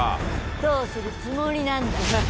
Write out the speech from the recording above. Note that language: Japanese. どうするつもりなんだ？